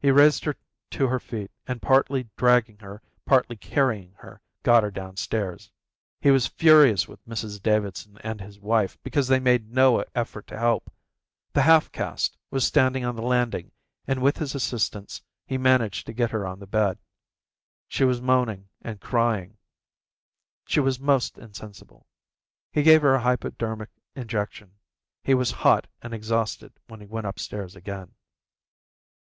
He raised her to her feet and partly dragging her, partly carrying her, got her downstairs. He was furious with Mrs Davidson and with his wife because they made no effort to help. The half caste was standing on the landing and with his assistance he managed to get her on the bed. She was moaning and crying. She was almost insensible. He gave her a hypodermic injection. He was hot and exhausted when he went upstairs again.